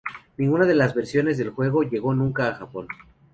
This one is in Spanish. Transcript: Ninguna de las versiones del juego llegó nunca a Japón.